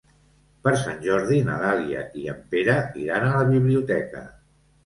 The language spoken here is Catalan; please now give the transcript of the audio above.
Per Sant Jordi na Dàlia i en Pere iran a la biblioteca.